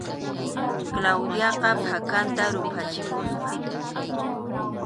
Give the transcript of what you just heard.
Claudiaqa phakanta ruphachikusqa.